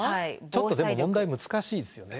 ちょっとでも問題難しいですよね。